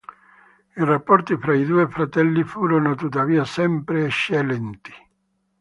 I rapporti fra i due fratelli furono tuttavia sempre eccellenti.